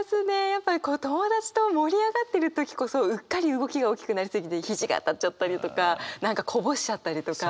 やっぱり友達と盛り上がってる時こそうっかり動きが大きくなり過ぎて肘が当たっちゃったりとか何かこぼしちゃったりとか。